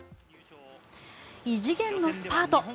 異次元のスパート。